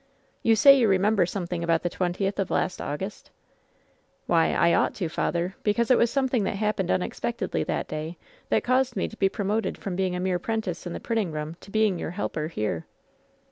"You say you remember something about the twen tieth of last August ?" "Why, I ought to, father, because it was something that happened unexpectedly that day that caused me to be promoted from being a mere 'prentice in the printing room to being your helper here."